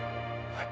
はい！